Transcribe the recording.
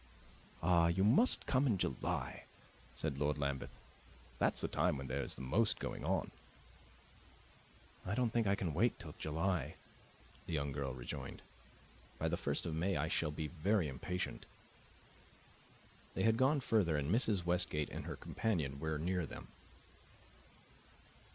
"Ah, you must come in July," said Lord Lambeth. "That's the time when there is most going on." "I don't think I can wait till July," the young girl rejoined. "By the first of May I shall be very impatient." They had gone further, and Mrs. Westgate and her companion were near them.